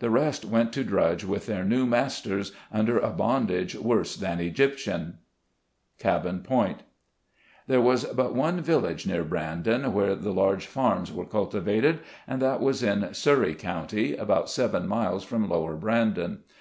The rest went to drudge with their new masters, under a bondage worse than Egyptian. CABIN POINT. There was but one village near Brandon, where the large farms were cultivated, and that was in Surrey County, about seven miles from Lower Bran don.